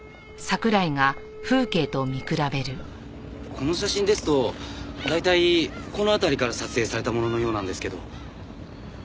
この写真ですと大体この辺りから撮影されたもののようなんですけど。